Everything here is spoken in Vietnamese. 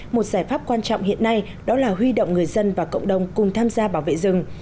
một giải pháp quan trọng hiện nay đó là huy động người dân và cộng đồng cùng tham gia bảo vệ rừng